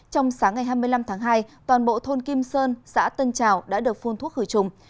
trong sáng ngày hai mươi năm tháng hai toàn bộ thôn kim sơn xã tân trào đã được phun thuốc khử trùng